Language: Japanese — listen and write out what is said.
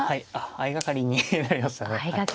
相掛かりになりました。